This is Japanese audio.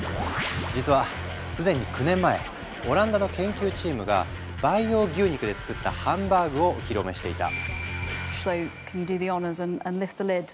実は既に９年前オランダの研究チームが培養牛肉で作ったハンバーグをお披露目していた。